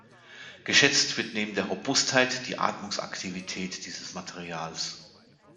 Geschätzt wird neben der Robustheit die Atmungsaktivität dieses Materials.